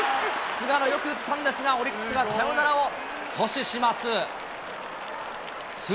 菅野、よく打ったんですが、オリックスがサヨナラを阻止します。